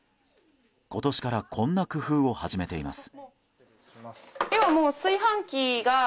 今年からこんな工夫を始めています。